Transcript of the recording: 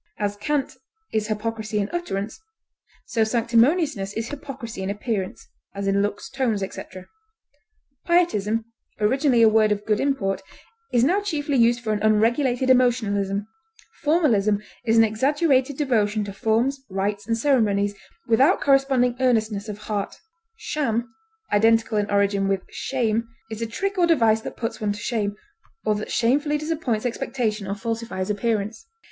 As cant is hypocrisy in utterance, so sanctimoniousness is hypocrisy in appearance, as in looks, tones, etc. Pietism, originally a word of good import, is now chiefly used for an unregulated emotionalism; formalism is an exaggerated devotion to forms, rites, and ceremonies, without corresponding earnestness of heart; sham (identical in origin with shame) is a trick or device that puts one to shame, or that shamefully disappoints expectation or falsifies appearance.